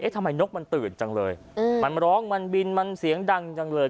ทำไมนกมันตื่นจังเลยมันร้องมันบินมันเสียงดังจังเลย